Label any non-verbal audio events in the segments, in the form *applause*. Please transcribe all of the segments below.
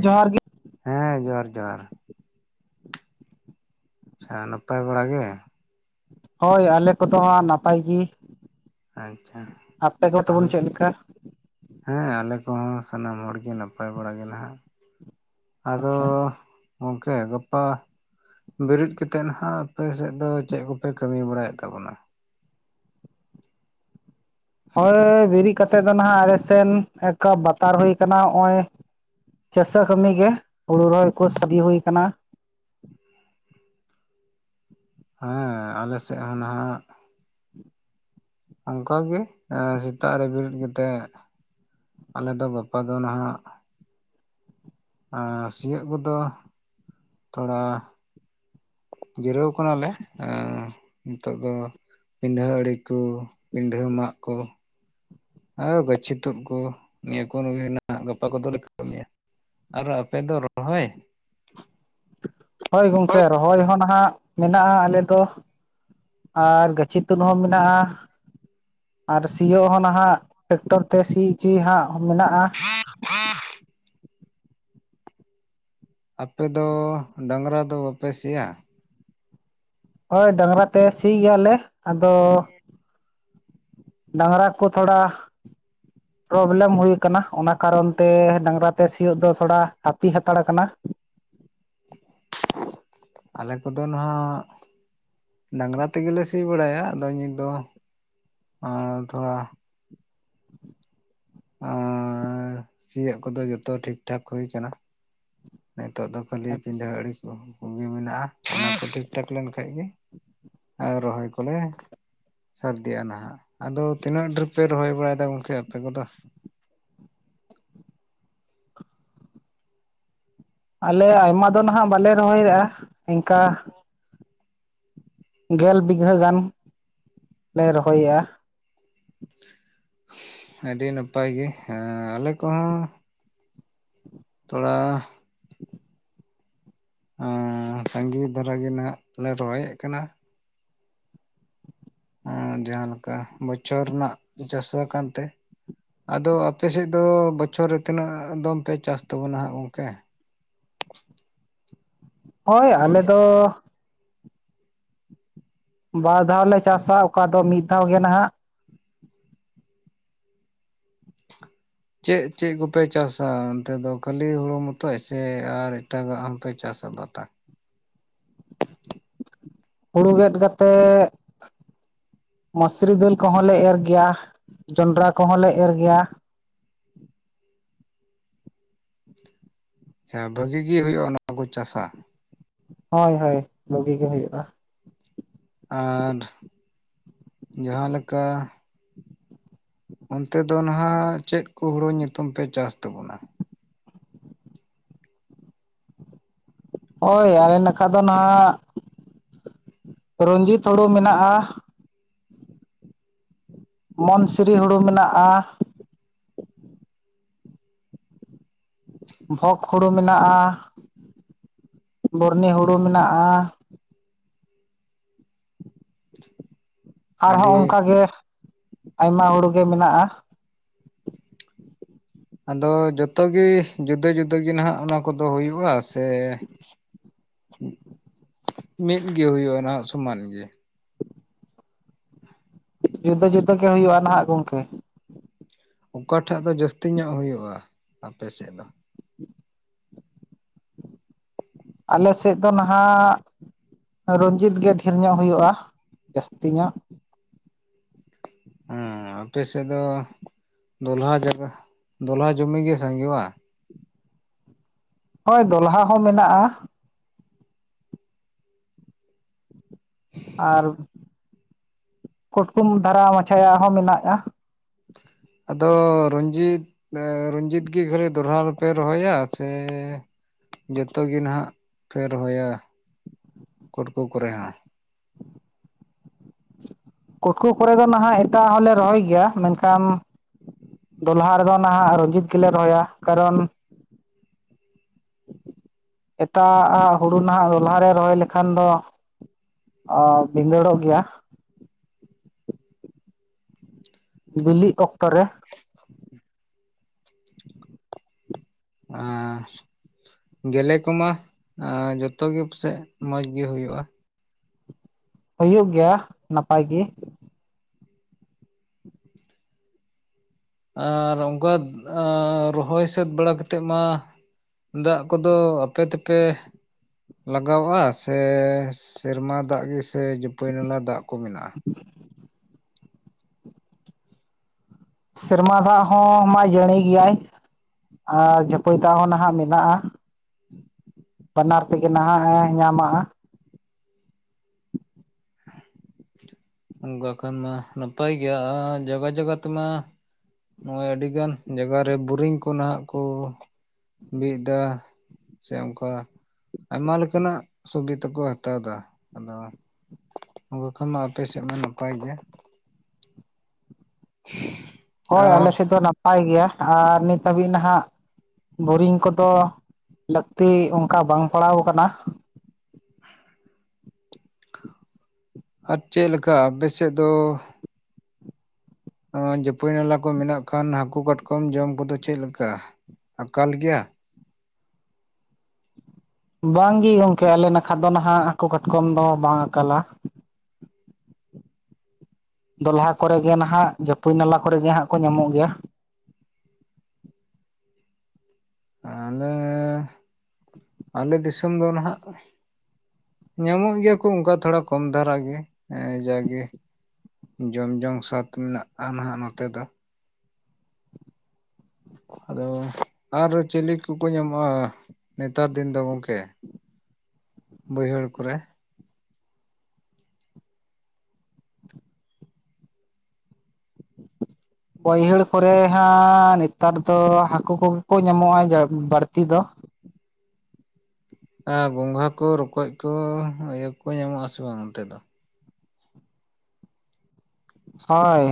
ᱡᱚᱦᱟᱨ ᱜᱮ ᱦᱮᱸ ᱡᱚᱸᱦᱟᱨ ᱡᱚᱸᱦᱟᱨ ᱟᱪᱪᱷᱟ ᱱᱟᱯᱟᱭ ᱵᱟᱲᱟ ᱜᱮ ᱦᱳᱭ ᱟᱞᱮ ᱠᱚᱫᱚ ᱦᱟᱜ ᱱᱟᱯᱟᱭ ᱜᱮ ᱟᱪᱪᱷᱟ ᱟᱯᱮ ᱠᱚ ᱛᱟᱵᱚᱱ ᱟᱞᱮ ᱪᱮᱫ ᱞᱮᱠᱟ ᱦᱮᱸ ᱟᱞᱮ ᱠᱚᱦᱚᱸ ᱥᱟᱱᱟᱢ ᱦᱚᱲ ᱜᱮ ᱱᱟᱯᱟᱭ ᱵᱟᱲᱟᱜ ᱜᱮ ᱱᱟᱦᱟᱸᱜ ᱟᱫᱚ ᱟᱪᱪᱷᱟ ᱜᱚᱢᱠᱮ ᱜᱟᱯᱟ ᱵᱮᱨᱮᱫ ᱠᱟᱛᱮᱫ ᱱᱟᱦᱟᱜ ᱟᱯᱮ ᱥᱮᱫ ᱫᱚ ᱪᱮᱫ ᱠᱚᱯᱮ ᱠᱟᱹᱢᱤ ᱵᱟᱲᱟᱭᱮᱫ ᱛᱟᱵᱚᱱᱟ ᱦᱳᱭ ᱵᱮᱨᱤᱠ ᱠᱟᱛᱮᱫ ᱫᱚ ᱱᱟᱦᱟᱜ ᱟᱞᱮ ᱥᱮᱱ ᱮᱠᱟ ᱵᱟᱛᱟᱨ ᱦᱩᱭ ᱟᱠᱟᱱᱟ ᱱᱚᱜᱼᱚᱭ ᱪᱟᱥᱟ ᱠᱟᱹᱢᱤ ᱜᱮ ᱦᱩᱲᱩ ᱨᱚᱦᱚᱭ ᱠᱚ ᱤᱫᱤ ᱦᱩᱭ ᱟᱠᱟᱱᱟ ᱦᱮᱸ ᱟᱞᱮ ᱥᱮᱫ ᱦᱚᱸ ᱱᱟᱦᱟᱜ ᱚᱱᱠᱟ ᱜᱮ ᱥᱮᱛᱟᱼᱜ ᱨᱮ ᱵᱮᱨᱮᱫ ᱠᱟᱛᱮᱼᱜ ᱟᱼᱞᱮ ᱫᱚ ᱜᱟᱯᱟ ᱫᱚ ᱱᱟᱦᱟᱼᱜ ᱟᱨ ᱥᱤᱭᱳᱜ ᱠᱚᱹᱫᱚ ᱛᱷᱚᱹᱲᱟ ᱡᱤᱨᱟᱹᱣ ᱠᱟᱱᱟ ᱞᱮ ᱦᱮᱸ ᱱᱤᱛᱚᱜ ᱫᱚ ᱯᱤᱰᱷᱟᱹ ᱟᱼᱲᱤᱠ ᱠᱚ ᱯᱤᱰᱷᱟᱹ ᱢᱟᱜ ᱠᱚ ᱦᱟ ᱜᱟᱹᱪᱷᱤ ᱛᱩᱫ ᱠᱚ ᱱᱤᱭᱟᱹ ᱠᱚᱹᱱ ᱜᱮ ᱦᱚᱸ ᱜᱟᱯᱟ ᱠᱚ ᱫᱚᱹᱞᱮ ᱠᱟᱹᱢᱤᱭᱟᱹ ᱟᱨ ᱟᱯᱮᱹ ᱫᱚ ᱨᱚᱦᱚᱭ ᱦᱳᱭ ᱜᱚᱝᱠᱮ ᱨᱚᱦᱚᱭ ᱦᱚᱸ ᱱᱟᱦᱟᱜ ᱢᱮᱱᱟᱜᱼᱟ ᱟᱞᱮ ᱫᱚ ᱟᱨ ᱜᱟᱹᱪᱷᱤ ᱛᱩᱫ ᱦᱚᱸ ᱢᱮᱱᱟᱜᱼᱟ ᱟᱨ ᱥᱤᱭᱳᱜ ᱦᱚᱸ ᱱᱟᱦᱟᱜ ᱴᱮᱠᱴᱚᱨ ᱛᱮ ᱥᱤ ᱚᱪᱚᱭ ᱦᱟᱸᱜ ᱢᱮᱱᱟᱜᱼᱟ ᱟᱯᱮᱫᱚ ᱰᱟᱝᱨᱟ ᱫᱚ ᱵᱟᱯᱮ ᱥᱤᱭᱟ? ᱦᱳᱭ ᱰᱟᱝᱨᱟ ᱛᱮ ᱥᱤ ᱜᱮᱹᱭᱟᱹᱞᱮ ᱟᱫᱚ ᱰᱟᱝᱨᱟ ᱠᱚ ᱛᱷᱚᱹᱲᱟ ᱯᱨᱚᱵᱞᱮᱢ ᱦᱩᱼᱭ ᱠᱟᱱᱟ ᱚᱱᱟ ᱠᱟᱨᱚᱱ ᱛᱮ ᱰᱟᱝᱨᱟ ᱛᱮ ᱥᱤᱭᱳᱼᱜ ᱫᱚ ᱛᱷᱚᱹᱲᱟ ᱦᱟᱹᱯᱤ ᱦᱟᱛᱟᱹᱲ ᱟᱠᱟᱱᱟ ᱟᱞᱮ ᱠᱚᱹᱫᱚ ᱱᱟᱦᱟᱜ ᱰᱟᱝᱨᱟ ᱛᱮ ᱜᱮ ᱥᱤ ᱵᱟᱲᱟᱭᱼᱟ ᱟᱫᱚ ᱱᱤᱛ ᱫᱚ ᱟᱨ ᱛᱷᱚᱹᱲᱟ ᱟᱨ ᱥᱤᱭᱳᱼᱜ ᱠᱚ ᱫᱚ ᱡᱚᱛᱚ ᱴᱷᱤᱠᱴᱷᱟᱠ ᱦᱩᱭ ᱠᱟᱱᱟ᱾ ᱱᱤᱛᱚᱜ ᱫᱚ ᱠᱷᱟᱹᱞᱤ ᱟᱪᱪᱷᱟ ᱯᱤᱰᱷᱟᱹ ᱟᱲᱮ ᱠᱩᱜᱮ ᱢᱮᱱᱟᱜᱼᱟ ᱚᱱᱟ ᱠᱚ ᱴᱷᱤᱠ ᱴᱷᱟᱠ ᱞᱮᱱ ᱠᱷᱟᱡ ᱜᱮ ᱟᱨ ᱨᱚᱦᱚᱭ ᱠᱚᱹᱞᱮ ᱥᱟᱨᱫᱤᱜᱼᱟ ᱱᱟᱦᱟᱜ ᱟᱼᱫᱚ ᱛᱤᱱᱟᱹᱜ ᱰᱷᱮᱨ ᱯᱮ ᱨᱚᱦᱚᱭ ᱵᱟᱹᱲᱟᱭ ᱫᱚ ᱜᱚᱝᱠᱮ ᱟᱯᱮ ᱠᱚᱫᱚ᱾ ᱟᱞᱮ ᱟᱭᱢᱟ ᱫᱚ ᱱᱟᱦᱟᱜ ᱵᱟᱞᱮ ᱨᱚᱦᱚᱼᱭ ᱨᱚᱦᱚᱭ ᱠᱟᱜᱼᱟ ᱤᱱᱠᱟᱹ ᱜᱮᱞ ᱵᱤᱜᱷᱟᱹ ᱜᱟᱱ ᱞᱮ ᱨᱚᱦᱚᱭᱟᱹ ᱟᱹᱰᱤ ᱱᱟᱯᱟᱭ ᱜᱮ ᱦᱮᱸ ᱟᱞᱮ ᱠᱚᱦᱚᱸ ᱛᱷᱚᱹᱲᱟ ᱦᱮᱸ ᱥᱟᱜᱤ ᱫᱷᱟᱨᱟᱹ ᱜᱮ ᱱᱟᱦᱟᱜ ᱞᱮ ᱨᱚᱦᱚᱹᱭᱮᱫ ᱠᱟᱱᱟᱹ ᱦᱚᱸ ᱡᱟᱦᱟᱸᱞᱮᱠᱟ ᱵᱚᱪᱷᱚᱨ ᱨᱮᱱᱟᱜ ᱪᱟᱹᱟᱥᱚ ᱠᱟᱱᱹ ᱛᱮ ᱟᱫᱚ ᱟᱯᱮ ᱥᱮᱫ ᱫᱚ ᱵᱚᱪᱷᱚᱨ ᱨᱮ ᱛᱤᱱᱟᱹᱜ ᱫᱚᱢ ᱯᱮ ᱪᱟᱥ ᱛᱟᱵᱚᱱᱟ ᱦᱟᱸᱜ ᱜᱚᱝᱹᱠᱮ ᱦᱳᱭ ᱟᱞᱮ ᱫᱚ᱾ ᱵᱟᱨᱫᱷᱟᱣ ᱞᱮ ᱪᱟᱥᱟ ᱚᱠᱟ ᱫᱚ ᱢᱤᱫ ᱫᱷᱟᱣ ᱜᱮ ᱱᱟᱦᱟᱜ ᱪᱮᱫ ᱪᱮᱫ ᱠᱚᱯᱮ ᱪᱟᱥᱟ ᱚᱱᱹᱛᱮ ᱫᱚ ᱠᱷᱟᱹᱞᱤ ᱦᱩᱲᱩ ᱢᱚᱛᱚᱡ ᱥᱮ ᱟᱨ ᱮᱴᱟᱜᱟᱜᱹ ᱦᱚᱸᱯᱮ ᱪᱟᱥᱟ ᱵᱟᱛᱟᱠᱹ ᱦᱩᱲᱩ ᱜᱮᱫ ᱠᱟᱛᱮᱼᱜ ᱢᱟᱥᱨᱤ ᱫᱟᱹᱞ ᱠᱚᱦᱚᱸ ᱞᱮ ᱮᱨ ᱜᱮᱭᱟ ᱡᱚᱸᱰᱨᱟ ᱠᱚᱦᱚᱸᱞ ᱞᱮ ᱮᱨ ᱜᱮᱭᱟ ᱟᱪᱷᱟᱹ ᱵᱷᱟᱹᱜᱤ ᱜᱮ ᱦᱩᱭᱩᱜᱼᱟ ᱟᱱᱚᱣᱟ ᱠᱚ ᱪᱟᱥᱟᱹ ᱦᱳᱭ ᱦᱭᱹ ᱵᱩᱜᱤ ᱜᱮ ᱦᱩᱭᱩᱜᱼᱟ ᱟᱨ ᱡᱟᱦᱟᱸ ᱞᱮᱠᱟᱹ ᱚᱱᱹᱛᱮ ᱫᱚ ᱱᱟᱦᱟᱜ ᱪᱮᱫ ᱠᱚ ᱦᱩᱲᱩ ᱧᱩᱛᱩᱢ ᱯᱮ ᱪᱟᱥ ᱛᱟᱵᱩᱱᱟᱹ? ᱦᱳᱭ ᱟᱞᱮ ᱱᱟᱠᱷᱟᱹ ᱫᱚ ᱱᱟᱦᱟᱜ ᱨᱚᱧᱡᱤᱛ ᱦᱩᱲᱩ ᱢᱮᱱᱟᱜᱼᱟ᱾ ᱢᱚᱱᱥᱨᱤᱹ ᱦᱩᱲᱩ ᱢᱮᱱᱟᱜᱼᱟ᱾ ᱵᱷᱚᱜᱽ ᱦᱩᱲᱩ ᱢᱮᱱᱟᱜᱼᱟ ᱵᱩᱨᱱᱤ ᱦᱩᱲᱩ ᱢᱮᱱᱟᱜᱼᱟ᱾ ᱟᱨ ᱦᱚᱸ ᱟᱹᱰᱤ ᱚᱱᱠᱟᱜ ᱜᱮ ᱟᱭᱢᱟᱹ ᱦᱩᱲᱩ ᱜᱮ ᱢᱮᱱᱟᱜᱼᱟ᱾ ᱟᱼᱫᱚ ᱡᱚᱛᱚᱮ ᱡᱩᱫᱟᱹ ᱡᱩᱫᱟᱹ ᱜᱮ ᱱᱟᱦᱟᱼᱜ ᱚᱱᱟ ᱠᱚᱹᱫᱚ ᱦᱩᱭᱩᱜᱼᱟ ᱥᱮᱹ ᱢᱤᱫ ᱜᱮ ᱦᱩᱭᱩᱜᱼᱟ ᱱᱟᱦᱟᱜ ᱥᱚᱢᱟᱱ ᱜᱮ ᱡᱩᱫᱟᱹ ᱡᱩᱫᱟᱹ ᱜᱮ ᱦᱩᱭᱩᱜᱼᱟ ᱱᱟᱦ ᱜᱚᱝᱹᱠᱮ ᱚᱠᱟᱴᱟᱜᱹ ᱫᱚ ᱡᱟᱹᱥᱛᱤ ᱧᱚᱜ ᱦᱩᱭᱩᱜᱼᱟ ᱟᱯᱮ ᱥᱮᱫ ᱫᱚ? ᱟᱞᱮ ᱥᱮᱫ ᱫᱚ ᱱᱟᱦᱟᱜ ᱨᱚᱸᱡᱤᱛ ᱜᱮ ᱰᱷᱮᱨ ᱧᱚᱜᱹ ᱦᱩᱭᱩᱜᱭᱼᱟ ᱡᱟᱹᱥᱛᱤ ᱧᱚᱜᱹ ᱦᱮᱸ ᱟᱯᱮ ᱥᱮᱫ ᱫᱚ ᱫᱚᱞᱦᱟᱹ ᱡᱟᱭ ᱫᱚᱞᱦᱟᱹ ᱡᱚᱢᱤ ᱜᱮ ᱥᱟᱸᱜᱮᱭᱟᱹ ᱵᱟ ᱦᱳᱭ ᱫᱚᱞᱦᱟ ᱦᱚᱸ ᱢᱮᱱᱟᱜᱼᱟ। ᱟᱨ ᱠᱩᱴᱠᱩᱢ ᱫᱷᱟᱨᱟ ᱢᱟᱪᱷᱟᱭᱟᱜ ᱦᱚᱸ ᱢᱮᱱᱟᱜᱼᱟ। ᱟᱫᱚ ᱨᱚᱧᱡᱤᱛ ᱨᱚᱧᱡᱤᱛ ᱜᱮ ᱠᱷᱟᱞᱤ ᱫᱚᱲᱦᱟ ᱫᱮᱯᱮ ᱨᱚᱦᱚᱭᱟ ᱥᱮ ᱼᱼ ᱡᱚᱛᱚ ᱜᱮ ᱱᱟᱷᱟᱜ ᱯᱮ ᱨᱚᱦᱚᱭᱟ ᱠᱚᱴᱠᱩ ᱠᱚᱨᱮ ᱦᱚᱸ? ᱠᱩᱴᱠᱩ ᱠᱚᱨᱮ ᱫᱚ ᱱᱟᱷᱟᱜ ᱮᱴᱟᱜ ᱟᱜ ᱦᱚᱸᱞᱮ ᱨᱚᱦᱚᱭ ᱜᱮᱭᱟ ᱢᱮᱱᱠᱷᱟᱱ ᱼᱼ ᱫᱚᱞᱦᱟ ᱨᱮᱫᱚ ᱱᱷᱟᱜ ᱨᱚᱡᱤᱛ ᱜᱮᱞᱮ ᱨᱚᱦᱚᱭᱟ᱾ ᱠᱟᱨᱚᱱ ᱼᱼ ᱮᱴᱟᱜᱟᱜ ᱟᱜ ᱦᱩᱲᱩ ᱱᱟᱷᱟᱜ ᱫᱚ ᱞᱦᱟᱨᱮ ᱨᱚᱦᱚᱭ ᱞᱮᱠᱷᱟᱱ ᱫᱚ ᱼᱼ ᱚ ᱵᱷᱤᱸᱫᱟᱹᱲᱚᱜ ᱜᱮᱭᱟ। ᱵᱤᱞᱤᱜ ᱚᱠᱛᱚ ᱨᱮ᱾ ᱟᱨ ᱜᱮᱹᱞᱮ ᱠᱚᱹᱢᱟ ᱦᱮᱸ ᱡᱷᱚᱛᱚ ᱜᱮ ᱯᱟᱹᱥᱮᱫ ᱢᱚᱡᱽ ᱜᱮ ᱦᱩᱭᱩᱜᱼᱟ᱾ ᱦᱩᱭᱩᱜ ᱜᱮᱭᱟ ᱱᱟᱯᱟᱭ ᱜᱮ। ᱟᱨ ᱚᱱᱠᱟ ᱟ ᱨᱚᱦᱚᱭ ᱥᱟᱹᱛ ᱵᱟᱲᱟ ᱠᱟᱛᱮᱫ ᱢᱟ ᱼᱼ ᱫᱟᱜ ᱠᱚᱫᱚ ᱟᱯᱮ ᱛᱮᱯᱮ ᱞᱟᱜᱟᱣᱚᱜᱼᱟ ᱥᱮ ᱥᱮᱨᱢᱟ ᱫᱟᱜ ᱜᱮ ᱥᱮ ᱡᱟᱹᱯᱟᱹᱭ ᱱᱟᱞᱟ ᱫᱟᱜ ᱠᱚ ᱢᱮᱱᱟᱜᱼᱟ? *unintelligible* ᱥᱮᱨᱢᱟ ᱫᱟᱜ ᱦᱚᱸ ᱢᱟᱭ ᱡᱟᱹᱲᱤ ᱜᱮᱭᱟᱭ। ᱟᱨ ᱡᱷᱟᱹᱯᱟᱹᱭ ᱫᱟᱜ ᱦᱚᱸ ᱱᱟᱷᱟᱜ ᱢᱮᱱᱟᱜᱼᱟ। ᱵᱟᱱᱟᱨ ᱛᱮᱜᱮ ᱱᱟᱦᱟᱜ ᱮ ᱧᱟᱢᱟᱜᱼᱟ। ᱚᱱᱠᱟ ᱠᱷᱟᱱ ᱢᱟ ᱱᱟᱯᱟᱭ ᱜᱮᱭᱟ ᱟᱨ ᱡᱟᱭᱜᱟ ᱡᱟᱭᱜᱟ ᱛᱮᱢᱟ ᱼᱼ ᱱᱚᱜᱼᱚᱭ ᱟᱹᱰᱤᱜᱟᱱ ᱡᱟᱭᱜᱟᱮ ᱵᱳᱨᱤᱝ ᱠᱚ ᱱᱷᱟᱜ ᱠᱚ ᱵᱤᱫ ᱮᱫᱟ। ᱥᱮ ᱚᱱᱠᱟ ᱟᱭᱢᱟ ᱞᱮᱠᱟᱱᱟᱜ ᱥᱩᱵᱤᱛᱟ ᱠᱚ ᱦᱟᱛᱟᱣ ᱮᱫᱟ ᱟᱫᱚ ᱼᱼ ᱚᱠᱟ ᱠᱷᱟᱱ ᱢᱟ ᱟᱯᱮ ᱥᱮᱫ ᱢᱟ ᱱᱟᱯᱟᱭ ᱜᱮᱭᱟ। *unintelligible* ᱦᱳᱭ ᱟᱞᱮ ᱥᱮᱫ ᱫᱚ ᱱᱟᱯᱟᱭ ᱜᱮᱭᱟ᱾ ᱟᱨ ᱱᱤᱛ ᱦᱟᱹᱵᱤᱡ ᱱᱟᱦᱟᱜ ᱼᱼ ᱵᱳᱨᱤᱝ ᱠᱚᱫᱚ ᱞᱟᱹᱠᱛᱤ ᱚᱱᱠᱟ ᱵᱟᱝ ᱯᱟᱲᱟᱣ ᱟᱠᱟᱱᱟ। ᱟᱨ ᱪᱮᱫ ᱞᱮᱠᱟ ᱟᱯᱮᱥᱮᱫ ᱫᱚ? ᱟᱸ ᱡᱟᱹᱯᱟᱹᱭ ᱱᱟᱞᱟ ᱠᱚ ᱢᱮᱱᱟᱜ ᱠᱷᱟᱱ ᱦᱟᱹᱠᱩ ᱠᱟᱴᱠᱚᱢ ᱡᱚᱢ ᱠᱚᱫᱚ ᱪᱮᱫᱞ ᱞᱮᱠᱟ ᱟᱠᱟᱞ ᱜᱮᱭᱟ? ᱵᱟᱝ ᱜᱮ ᱜᱚᱝᱠᱮ ᱟᱞᱮ ᱱᱟᱠᱷᱟ ᱫᱚ ᱱᱷᱟᱜ ᱦᱟᱹᱠᱩ ᱠᱟᱴᱠᱚᱢ ᱫᱚ ᱵᱟᱝ ᱟᱠᱟᱞᱟ। ᱫᱚᱞᱦᱟ ᱠᱚᱨᱮ ᱜᱮ ᱱᱟᱦᱟᱜ ᱡᱟᱹᱯᱩ ᱱᱟᱞᱟ ᱠᱚᱨᱮ ᱜᱮ ᱦᱟᱸᱜ ᱠᱚ ᱧᱟᱢᱚᱜ ᱜᱮᱭᱟ। ᱟᱞᱮ ᱟᱞᱮ ᱫᱤᱥᱚᱢ ᱫᱚ ᱱᱟᱦᱟᱜ ᱼᱼ ᱧᱟᱢᱚᱜ ᱜᱮᱭᱟ ᱠᱚ ᱚᱱᱠᱟ ᱛᱷᱚᱲᱟ ᱠᱚᱢ ᱫᱷᱟᱨᱟ ᱜᱮ, ᱮᱸᱻ ᱡᱟᱜᱮ᱾ ᱡᱚᱢ ᱡᱚᱝ ᱥᱟᱫ ᱢᱮᱱᱟᱜᱼᱟ ᱱᱟᱦᱟᱜ ᱱᱚᱛᱮ ᱫᱚ। ᱟᱫᱚ ᱟᱨ ᱪᱤᱞᱤ ᱠᱚᱠᱚ ᱧᱟᱢᱚᱜᱼᱟ? ᱱᱮᱛᱟᱨ ᱫᱤᱱ ᱫᱚ ᱜᱚᱝᱠᱮ ᱵᱟᱹᱭᱦᱟᱹᱲ ᱠᱚᱨᱮ, ᱵᱟᱹᱭᱦᱟᱹᱲ ᱠᱚᱨᱮ ᱦᱟᱸ ᱱᱮᱛᱟᱨ ᱫᱚ ᱦᱟᱹᱠᱩ ᱠᱚᱜᱮ ᱠᱚ ᱧᱟᱢᱚᱜᱼᱟ ᱵᱟᱹᱲᱛᱤ ᱫᱚ। ᱟᱨ ᱜᱚᱝᱜᱷᱟ ᱠᱚ ᱨᱚᱠᱚᱡ ᱠᱚ ᱤᱭᱟᱹ ᱠᱚ ᱧᱟᱢᱚᱜ ᱟᱥᱮ ᱵᱟᱝ ᱚᱱᱛᱮ ᱫᱚ? ᱦᱳᱭ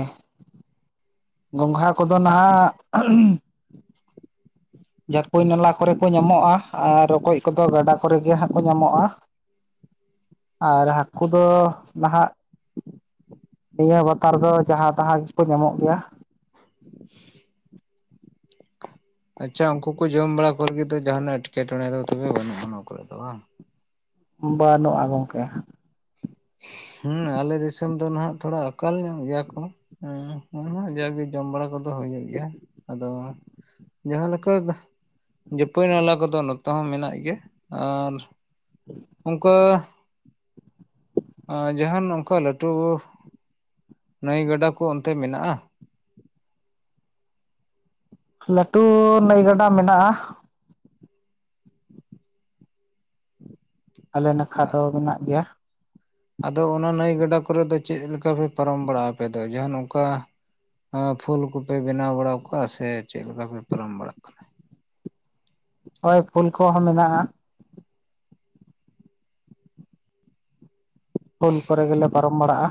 ᱜᱚᱝᱜᱷᱟ ᱠᱚᱫᱚ ᱱᱟᱦᱟᱜ ᱼᱼ ᱡᱷᱟᱹᱯᱟᱭ ᱱᱟᱞᱟ ᱠᱚᱨᱮ ᱠᱚ ᱧᱟᱢᱚᱜᱼᱟ᱾ ᱟᱨ ᱨᱚᱠᱚᱡ ᱠᱚᱫᱚ ᱜᱟᱰᱟ ᱠᱚᱨᱮ ᱜᱮ ᱦᱟᱸᱜ ᱠᱚ ᱧᱟᱢᱚᱜᱼᱟ। ᱟᱨ ᱦᱟᱹᱠᱩ ᱫᱚ ᱱᱟᱦᱟᱜ ᱼᱼ ᱱᱤᱭᱟᱹ ᱵᱟᱛᱟᱨ ᱫᱚ ᱡᱟᱦᱟᱸ ᱛᱟᱦᱟᱸ ᱜᱮᱠᱚ ᱧᱟᱢᱚᱜ ᱜᱮᱭᱟ। ᱟᱪᱪᱷᱟ ᱩᱱᱠᱩ ᱠᱚ ᱡᱚᱢ ᱵᱟᱲᱟ ᱠᱚᱨᱮ ᱜᱮ ᱫᱚ ᱡᱟᱦᱟᱱᱟᱜ ᱮᱴᱠᱮᱴᱚᱬᱮ ᱫᱚ ᱛᱚᱵᱮ ᱵᱟᱹᱱᱩᱜᱼᱟ ᱱᱚᱣᱟ ᱠᱚᱨᱮ ᱫᱚ ᱵᱟᱝ? ᱵᱟᱹᱱᱩᱜᱼᱟ ᱜᱚᱝᱠᱮ। ᱦᱮᱸ ᱟᱞᱮ ᱫᱤᱥᱚᱢ ᱫᱚ ᱱᱟᱦᱟᱜ ᱛᱷᱚᱲᱟ ᱟᱠᱟᱞ ᱧᱚᱜ ᱜᱮᱭᱟ ᱠᱚ। ᱦᱮᱸ ᱚᱱᱟ ᱠᱷᱚᱱᱟᱜ ᱡᱟᱜᱮ ᱡᱚᱢ ᱵᱟᱲᱟ ᱠᱚᱫᱚ ᱦᱩᱭᱩᱜ ᱜᱮᱭᱟ᱾ ᱟᱫᱚ ᱼᱼ ᱡᱟᱦᱟᱸ ᱞᱮᱠᱟ ᱡᱟᱹᱯᱟᱹᱭ ᱱᱟᱞᱟ ᱠᱚᱫᱚ ᱱᱚᱛᱮ ᱦᱚᱸ ᱢᱮᱱᱟᱜ ᱜᱮᱭᱟ᱾ ᱟᱨ ᱼᱼ ᱚᱱᱠᱟ ᱟᱸ ᱡᱟᱦᱟᱱ ᱚᱱᱠᱟ ᱞᱟᱹᱴᱩ ᱱᱟᱹᱭ ᱜᱟᱰᱟ ᱠᱚ ᱚᱱᱛᱮ ᱢᱮᱱᱟᱜᱼᱟ? ᱞᱟᱹᱴᱩ ᱱᱟᱹᱭ ᱜᱟᱰᱟ ᱢᱮᱱᱟᱜᱼᱟ। ᱟᱞᱮ ᱱᱟᱠᱷᱟ ᱫᱚ ᱢᱮᱱᱟᱜ ᱜᱮᱭᱟ᱾ ᱟᱫᱚ ᱚᱱᱟ ᱱᱟᱹᱭ ᱜᱟᱰᱟ ᱠᱚᱨᱮ ᱫᱚ ᱪᱮᱫ ᱞᱮᱠᱟᱯᱮ ᱯᱟᱨᱚᱢ ᱵᱟᱲᱟᱜᱼᱟ ᱟᱯᱮ ᱫᱚ? ᱡᱟᱦᱚᱱ ᱚᱱᱠᱟ ᱯᱷᱩᱞ ᱠᱚᱯᱮ ᱵᱮᱱᱟᱣ ᱵᱟᱲᱟ ᱠᱚᱣᱟ ᱥᱮ ᱪᱮᱫ ᱞᱮᱠᱟ ᱯᱮ ᱯᱟᱨᱚᱢ ᱵᱟᱲᱟᱜ ᱠᱟᱱᱟ? ᱦᱳᱭ ᱯᱷᱳᱞ ᱠᱚᱦᱚᱸ ᱢᱮᱱᱟᱜᱼᱟ᱾ ᱯᱳᱞ ᱠᱚᱨᱮ ᱜᱮᱞᱮ ᱯᱟᱨᱚᱢ ᱵᱟᱲᱟᱜᱼᱟ᱾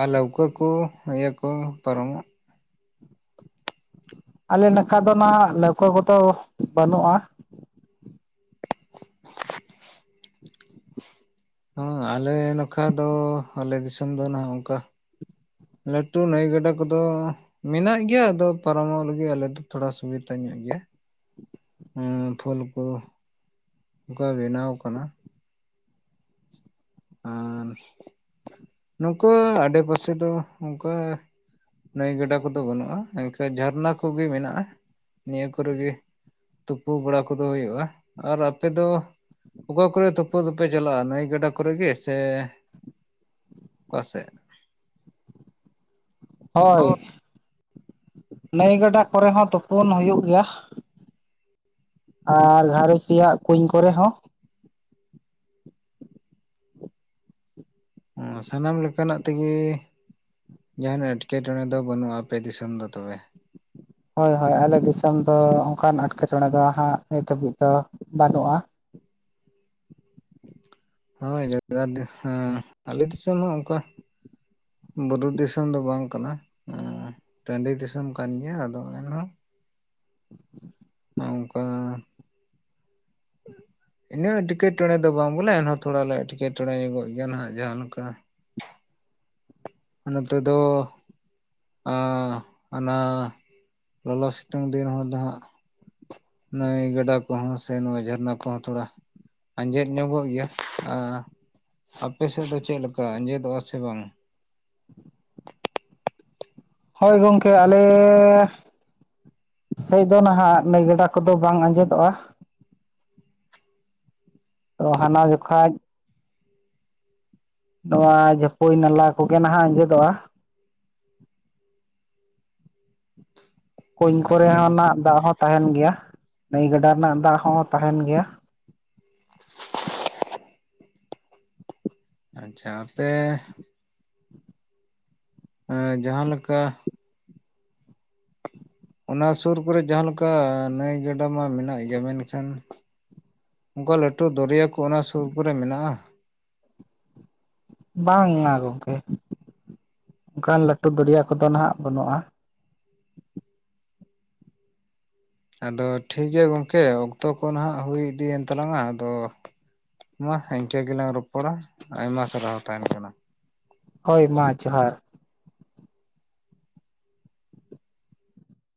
ᱟᱨ ᱞᱟᱹᱣᱠᱟᱹ ᱠᱚ ᱤᱭᱟᱹ ᱠᱚ ᱯᱟᱨᱚᱢᱚᱜᱼᱟ ᱟᱞᱮ ᱱᱟᱠᱷᱟ ᱫᱚ ᱱᱟᱜ ᱱᱟᱹᱣᱠᱟᱹ ᱠᱚᱫᱚ ᱵᱟᱹᱱᱩᱜᱼᱟ᱾ ᱦᱮ ᱟᱞᱮ ᱱᱚᱠᱷᱟ ᱫᱚ ᱟᱞᱮ ᱫᱤᱥᱚᱢ ᱫᱚ ᱱᱟᱜ ᱚᱱᱠᱟ ᱞᱟᱹᱴᱩ ᱱᱟᱹᱭ ᱜᱟᱰᱟ ᱠᱚᱫᱚ ᱢᱮᱱᱟᱜ ᱜᱮᱭᱟ ᱟᱫᱚ ᱯᱟᱨᱚᱢᱚᱜ ᱞᱟᱹᱜᱤᱫ ᱟᱞᱮ ᱫᱚ ᱛᱷᱚᱲᱟ ᱥᱩᱵᱤᱫᱟ ᱧᱚᱜ ᱜᱮᱭᱟ। ᱦᱩᱸ ᱯᱷᱚᱞ ᱠᱚ ᱚᱱᱠᱟ ᱵᱮᱱᱟᱣ ᱠᱟᱱᱟ। ᱟᱨ ᱱᱚᱝᱠᱟ ᱟᱰᱮ ᱯᱟᱥᱮ ᱫᱚ ᱚᱝᱠᱟ ᱱᱟᱹᱭ ᱜᱟᱰᱟ ᱠᱚᱫᱚ ᱵᱟᱹᱱᱩᱜᱼᱟ, ᱤᱱᱠᱟᱹ ᱡᱷᱟᱨᱱᱟ ᱠᱚᱜᱮ ᱢᱮᱱᱟᱜᱼᱟ ᱱᱤᱭᱟᱹ ᱠᱚᱨᱮ ᱜᱮ ᱛᱳᱯᱳ ᱵᱟᱲᱟ ᱠᱚᱫᱚ ᱦᱳᱭᱳᱜᱼᱟ ᱟᱨ ᱟᱯᱮ ᱫᱚ ᱚᱠᱟ ᱠᱚᱨᱮ ᱛᱳᱯᱳ ᱫᱚᱯᱮ ᱪᱟᱞᱟᱜᱼᱟ ᱱᱟᱹᱭ ᱜᱟᱰᱟ ᱠᱚᱨᱮ ᱜᱮ ᱥᱮ ᱚᱠᱟ ᱥᱮᱜ? ᱦᱳᱭ ᱱᱟᱹᱭ ᱜᱟᱰᱟ ᱠᱚᱨᱮ ᱦᱚᱸ ᱛᱳᱯᱳᱱ ᱦᱳᱭᱳᱜ ᱜᱮᱭᱟ᱾ ᱟᱨ ᱜᱷᱟᱨᱚᱸᱡᱽ ᱨᱮᱭᱟᱜ ᱠᱩᱧ ᱠᱚᱨᱮ ᱦᱚᱸ, ᱚ ᱥᱟᱱᱟᱢ ᱞᱮᱠᱟᱱᱟᱜ ᱛᱮᱜᱮ ᱡᱟᱦᱟᱱ ᱮᱴᱠᱮᱴᱚᱬᱮ ᱫᱚ ᱵᱟᱹᱱᱩᱜᱼᱟ ᱟᱯᱮ ᱫᱤᱥᱚᱢ ᱫᱚ ᱛᱚᱵᱮ᱾ ᱦᱳᱭ ᱦᱳᱭ ᱟᱞᱮ ᱫᱤᱥᱚᱢ ᱫᱚ ᱚᱱᱠᱟᱱ ᱮᱴᱠᱮᱴᱚᱬᱮ ᱫᱚ ᱦᱟᱸᱜ ᱱᱤᱛ ᱫᱷᱟᱹᱵᱤᱡ ᱫᱚ ᱵᱟᱹᱱᱩᱜᱼᱟ᱾ ᱦᱳᱭ *unintelligible* ᱦᱮᱸ ᱟᱞᱮ ᱫᱤᱥᱚᱢ ᱦᱚᱸ ᱚᱱᱠᱟ ᱵᱩᱨᱩ ᱫᱤᱥᱚᱢ ᱫᱚ ᱵᱟᱝ ᱠᱟᱱᱟ ᱩᱸ ᱴᱟᱰᱤ ᱫᱤᱥᱚᱢ ᱠᱟᱱ ᱜᱮᱭᱟ ᱟᱫᱚ ᱮᱱᱦᱚᱸ *inaudible* ᱚᱝᱠᱟ ᱤᱱᱟᱹᱜ ᱮᱴᱠᱮᱴᱚᱬᱮ ᱫᱚ ᱵᱟᱝ ᱵᱚᱞᱮ ᱮᱱᱦᱚᱸ ᱛᱷᱚᱲᱟ ᱞᱮ ᱮᱴᱠᱮᱴᱚᱬᱮ ᱜᱚᱜ ᱜᱮᱭᱟ ᱱᱟᱦᱟᱜ ᱡᱟᱦᱟᱸ ᱞᱮᱠᱟ, ᱱᱚᱛᱮ ᱫᱚ ᱟᱸ ᱚᱱᱟ ᱞᱚᱞᱚ ᱥᱤᱛᱩᱝ ᱫᱤᱱ ᱦᱚᱲ ᱫᱚ ᱦᱟᱸᱜ ᱱᱟᱹᱭ ᱜᱟᱰᱟ ᱠᱚᱦᱚᱸ ᱥᱮ ᱱᱚᱣᱟ ᱡᱷᱟᱨᱱᱟ ᱠᱚᱦᱚᱸ ᱛᱷᱚᱲᱟ ᱟᱸᱡᱮᱫ ᱧᱚᱜᱚᱜ ᱜᱮᱭᱟ ᱟᱸ ᱟᱯᱮ ᱥᱮᱫ ᱫᱚ ᱪᱮᱫ ᱞᱮᱠᱟ ᱟᱸᱡᱮᱫᱚᱜᱼᱟ ᱥᱮ ᱵᱟᱝ? ᱦᱳᱭ ᱜᱚᱢᱠᱮ ᱟᱞᱮᱻ ᱥᱮᱡ ᱫᱚ ᱱᱟᱦᱟᱜ ᱱᱟᱹᱭ ᱜᱟᱰᱟ ᱠᱚᱫᱚ ᱵᱟᱝ ᱟᱸᱡᱮᱫᱚᱜᱼᱟ᱾ ᱛᱚ ᱦᱟᱱᱟ ᱡᱚᱠᱷᱟᱡ, ᱱᱚᱣᱟ ᱡᱟᱹᱯᱟᱹᱭ ᱱᱟᱞᱟ ᱠᱚᱜᱮ ᱱᱟᱦᱟᱜ ᱟᱸᱡᱮᱫᱚᱜᱼᱟ᱾ ᱠᱩᱧ ᱟᱞᱮ ᱠᱚᱨᱮᱱᱟᱜ ᱫᱟᱜ ᱦᱚᱸ ᱛᱟᱦᱮᱱ ᱜᱮᱭᱟ ᱱᱟᱹᱭ ᱜᱟᱰᱟ ᱨᱮᱱᱟᱜ ᱫᱟᱜ ᱦᱚᱸ ᱛᱟᱦᱮᱱ ᱜᱮᱭᱟ᱾ ᱟᱪᱪᱷᱟ ᱟᱯᱮ ᱮᱸ ᱡᱟᱦᱟᱸ ᱞᱮᱠᱟ ᱚᱱᱟ ᱥᱩᱨ ᱠᱚᱨᱮ ᱡᱟᱦᱟᱸ ᱞᱮᱠᱟ ᱱᱟᱹᱭ ᱜᱟᱰᱟ ᱢᱟ ᱢᱮᱱᱟᱜ ᱜᱮᱭᱟ, ᱢᱮᱱᱠᱷᱟᱱ ᱚᱱᱠᱟ ᱞᱟᱹᱴᱩ ᱫᱚᱨᱭᱟ ᱠᱚ ᱚᱱᱟ ᱥᱩᱨ ᱠᱚᱨᱮ ᱢᱮᱱᱟᱜᱼᱟ? ᱵᱟᱝᱼᱟ ᱜᱚᱝᱠᱮ ᱚᱱᱠᱟᱱ ᱞᱟᱹᱴᱩ ᱫᱚᱨᱭᱟ ᱠᱚᱫᱚ ᱱᱟᱦᱟᱜ ᱵᱟᱹᱱᱩᱜᱼᱟ᱾ ᱟᱫᱚ ᱴᱷᱤᱠ ᱜᱮᱭᱟ ᱜᱚᱢᱠᱮ ᱚᱠᱛᱚ ᱠᱚ ᱱᱟᱦᱟᱸᱜ ᱦᱩᱭ ᱤᱫᱤᱭᱮᱱ ᱛᱟᱞᱟᱝᱟ ᱟᱫᱚ ᱢᱟ ᱤᱱᱠᱟᱹ ᱜᱮᱞᱟᱝ ᱨᱚᱯᱚᱲᱟ ᱟᱭᱢᱟ ᱥᱟᱨᱦᱟᱣ ᱛᱟᱦᱮᱱ ᱠᱟᱱᱟ ᱦᱳᱭ ᱢᱟ ᱡᱚᱦᱟᱨ᱾